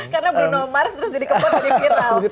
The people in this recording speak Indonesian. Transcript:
karena bruno mars terus didi kempot jadi viral